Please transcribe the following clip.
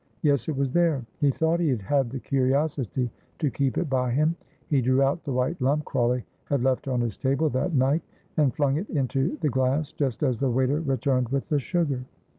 Yes, it was there, he thought he had had the curiosity to keep it by him. He drew out the white lump Crawley had left on his table that night, and flung it into the glass just as the waiter returned with the sugar.